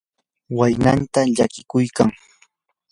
waynanta llakiykuykan.